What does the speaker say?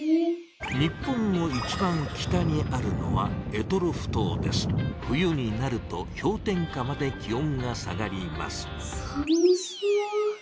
日本の一番北にあるのは冬になるとひょう点下まで気おんが下がりますさむそう。